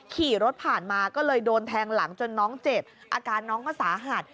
ขี่รถผ่านมาก็เลยโดนแทงหลังจนน้องเจ็บอาการน้องก็สาหัส